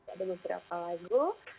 ada beberapa lagu